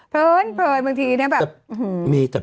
เปิดบางทีเนี่ยแบบ